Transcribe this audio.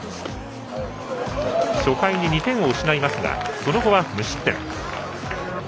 初回に２点を失いますがその後は無失点。